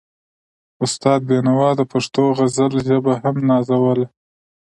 استاد بينوا د پښتو د غزل ژبه هم نازوله.